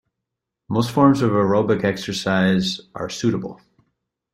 Most forms of aerobic exercise are suitable.